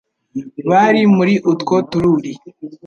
bari muri utwo tururi,